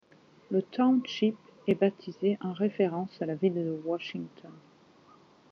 Le township est baptisé en référence à la ville de Washington.